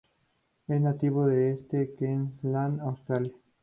Es nativo del este de Queensland, Australia.